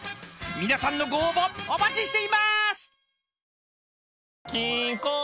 ［皆さんのご応募お待ちしています！］